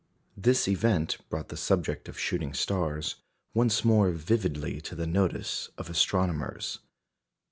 This event brought the subject of shooting stars once more vividly to the notice of astronomers.